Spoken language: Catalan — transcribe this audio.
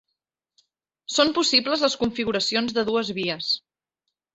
Són possibles les configuracions de dues vies.